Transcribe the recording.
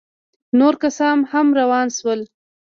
نور کسان هم روان سول.